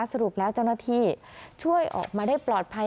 สรุปแล้วเจ้าหน้าที่ช่วยออกมาได้ปลอดภัย